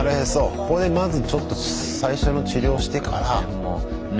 ここでまずちょっと最初の治療してから。